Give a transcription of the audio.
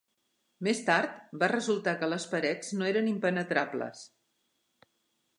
Més tard, va resultar que les parets no eren impenetrables.